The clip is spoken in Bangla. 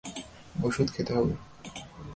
ওষুধ খেতে হবে।